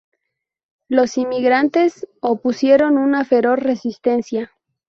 Los inmigrantes opusieron una feroz resistencia.